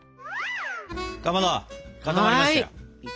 かまど固まりました。